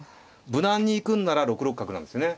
無難に行くんなら６六角なんですよね。